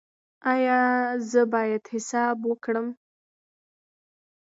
ایا زه باید حساب وکړم؟